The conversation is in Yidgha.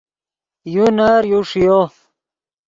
یو نر یو ݰیو